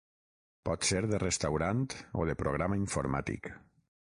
Pot ser de restaurant o de programa informàtic.